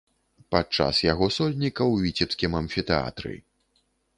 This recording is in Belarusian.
Падчас яго сольніка ў віцебскім амфітэатры!